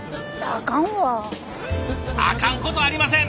あかんことありません！